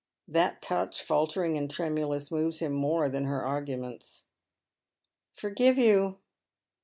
That touch, faltering imd tremulous, moves him more than her arguments. " Forgive you